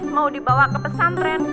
mau dibawa ke pesantren